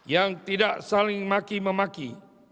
yang tidak saling maki memaki